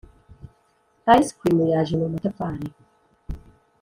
ice cream yaje mu matafari.